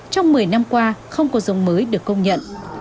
trong một mươi năm qua không có giống mới được công nhận